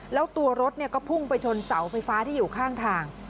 แล้วตัวรถก็พุ่งไปชนเสาไฟฟ้าที่อยู่ข้างทาง